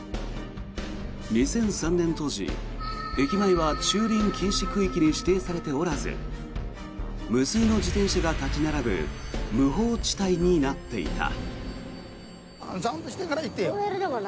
２００３年当時、駅前は駐輪禁止区域に指定されておらず無数の自転車が立ち並ぶ無法地帯になっていた。